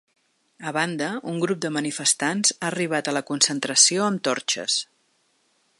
A banda, un grup de manifestants ha arribat a la concentració amb torxes.